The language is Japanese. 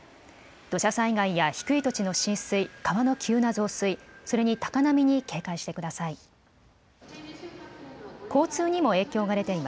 土砂災害や低い土地の浸水、川の急な増水、それに高波に警戒してください。